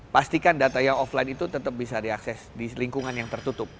pastikan data yang offline itu tetap bisa diakses di lingkungan yang tertutup